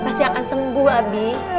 pasti akan sembuh abi